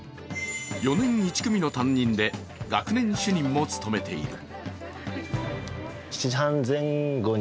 ４年１組の担任で学年主任も務めている。